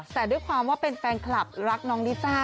แต่ด้วยความว่าเป็นแฟนคลับรักน้องลิซ่า